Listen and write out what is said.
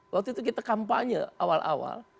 waktu itu kita kampanye awal awal